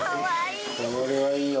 これはいいよ。